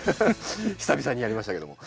久々にやりましたけども。